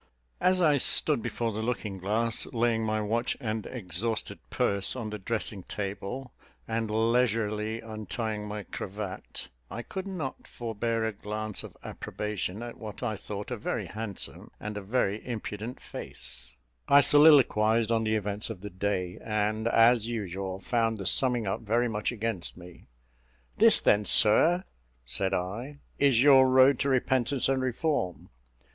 As I stood before the looking glass, laying my watch and exhausted purse on the dressing table, and leisurely untying my cravat, I could not forbear a glance of approbation at what I thought a very handsome and a very impudent face: I soliloquised on the events of the day, and, as usual, found the summing up very much against me. "This, then, sir," said I, "is your road to repentance and reform.